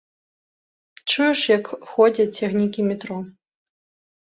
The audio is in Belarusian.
Чуеш, як ходзяць цягнікі метро.